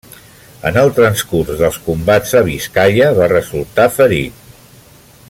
En el transcurs els combats a Biscaia va resultar ferit.